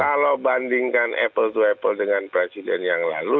kalau bandingkan apple to apple dengan presiden yang lalu